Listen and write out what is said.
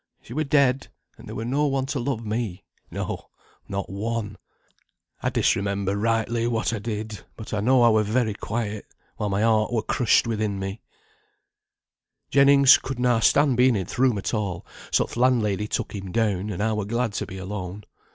She were dead, and there were no one to love me, no, not one. I disremember rightly what I did; but I know I were very quiet, while my heart were crushed within me. [Footnote 31: "Disremember," forget.] "Jennings could na' stand being in th' room at all, so th' landlady took him down, and I were glad to be alone.